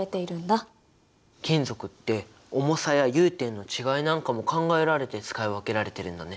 金属って重さや融点の違いなんかも考えられて使い分けられてるんだね。